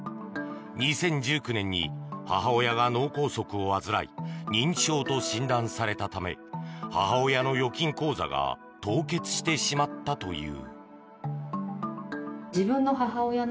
２０１９年に母親が脳梗塞を患い認知症と診断されたため母親の預金口座が凍結してしまったという。